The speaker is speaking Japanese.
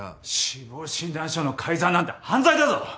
死亡診断書の改ざんなんて犯罪だぞ！